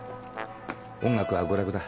音楽は娯楽だ。